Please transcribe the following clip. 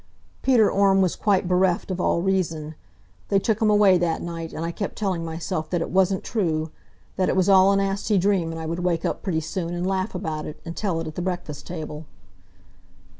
Peter Orme was quite bereft of all reason. They took him away that night, and I kept telling myself that it wasn't true; that it was all a nasty dream, and I would wake up pretty soon, and laugh about it, and tell it at the breakfast table.